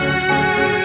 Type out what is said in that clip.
ya udah mbak